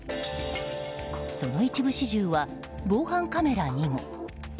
その一部始終は、防犯カメラにも。